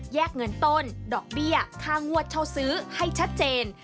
เงินต้นดอกเบี้ยค่างวดเช่าซื้อให้ชัดเจน